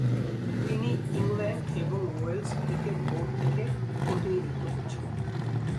তিনি ইংল্যান্ড এবং Wales cricket board থেকে প্রতিনিধিত্ব করছেন।